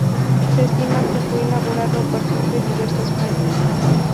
Se estima que fue elaborado a partir de diversas fuentes.